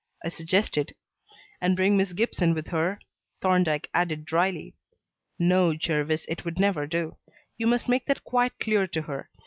I suggested. "And bring Miss Gibson with her?" Thorndyke added dryly. "No, Jervis, it would never do. You must make that quite clear to her.